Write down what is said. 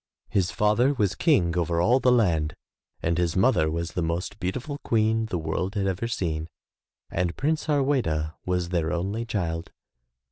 His father was King over all the land and his mother was the most beautiful Queen the world had ever seen and Prince Harweda was their only child.